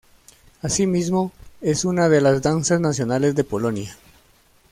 Asimismo, es una de las danzas nacionales de Polonia.